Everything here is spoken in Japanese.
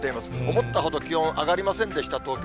思ったほど、気温上がりませんでした、東京。